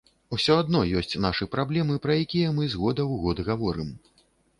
Усё адно ёсць нашы праблемы, пра якія мы з года ў год гаворым.